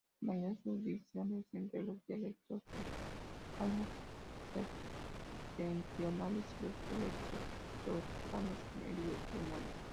La mayor subdivisión es entre los dialectos toscanos septentrionales y los dialectos toscanos meridionales.